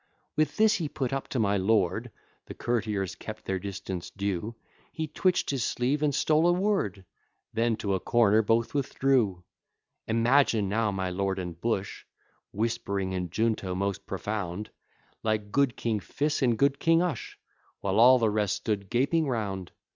With this he put up to my lord, The courtiers kept their distance due, He twitch'd his sleeve, and stole a word; Then to a corner both withdrew. Imagine now my lord and Bush Whispering in junto most profound, Like good King Phys and good King Ush, While all the rest stood gaping round.